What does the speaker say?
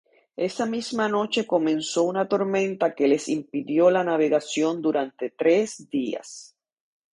Esa misma noche comenzó una tormenta que les impidió la navegación durante tres días.